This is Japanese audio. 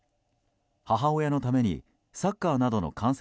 母親のためにサッカーなどの観戦